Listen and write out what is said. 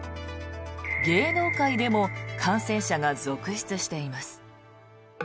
芸能界でも感染者が続出しています。